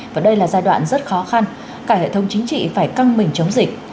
và đây là giai đoạn rất khó khăn cả hệ thống chính trị phải căng mình chống dịch